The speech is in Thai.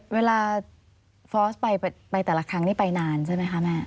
เวลาฟอร์สไปแต่ละครั้งนี่ไปนานใช่ไหมคะแม่